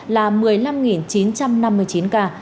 là một mươi năm chín trăm năm mươi chín ca